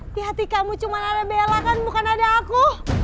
di hati kamu cuma ada bela kan bukan ada aku